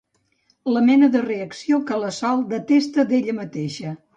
La mena de reacció que la Sol detesta d'ella mateixa.